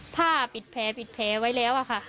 ผ้าปิดแผลไว้แล้วค่ะ